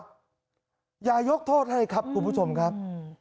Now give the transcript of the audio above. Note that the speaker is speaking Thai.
รู้ตัวยายยกโทษให้ครับคุณผู้ชมครับ